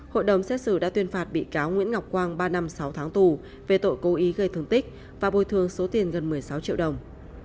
hội đồng xét xử đã tuyên phạt bị cáo nguyễn ngọc quang ba năm sáu tháng tù về tội cố ý gây thương tích và bồi thường số tiền gần một mươi sáu triệu đồng